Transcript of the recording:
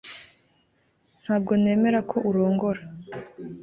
Ntabwo nemera ko urongora